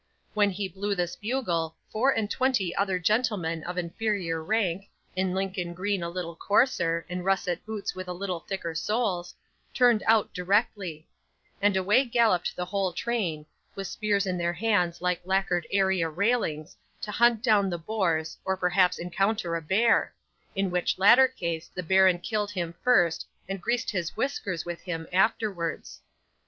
When he blew this bugle, four and twenty other gentlemen of inferior rank, in Lincoln green a little coarser, and russet boots with a little thicker soles, turned out directly: and away galloped the whole train, with spears in their hands like lacquered area railings, to hunt down the boars, or perhaps encounter a bear: in which latter case the baron killed him first, and greased his whiskers with him afterwards.